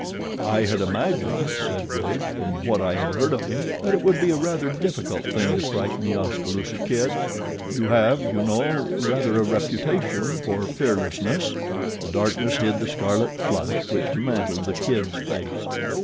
"I had imagined," said Bridge, "from what I had heard of him that it would be a rather difficult thing to frighten The Oskaloosa Kid you have, you know, rather a reputation for fearlessness." The darkness hid the scarlet flush which mantled The Kid's face.